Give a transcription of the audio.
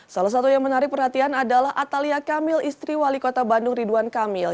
salah satu yang menarik perhatian adalah atalia kamil istri wali kota bandung ridwan kamil